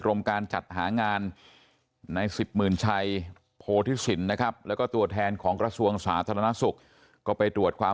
ก็เสียใจมากที่ไม่สามารถช่วยแทนไม่สามารถไปช่วยเพื่อนของผมกลับมาพร้อมกับผมได้